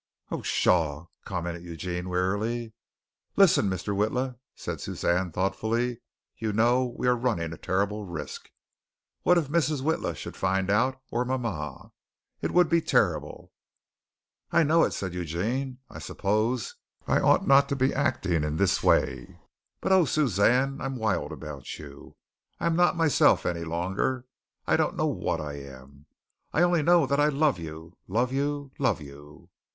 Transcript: "Oh, Pshaw!" commented Eugene wearily. "Listen, Mr. Witla," said Suzanne thoughtfully. "You know we are running a terrible risk. What if Mrs. Witla should find out, or mama? It would be terrible." "I know it," said Eugene. "I suppose I ought not to be acting in this way. But, oh, Suzanne, I am wild about you. I am not myself any longer. I don't know what I am. I only know that I love you, love you, love you!"